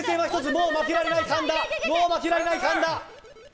もう負けられない、神田！